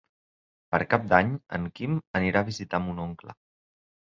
Per Cap d'Any en Quim anirà a visitar mon oncle.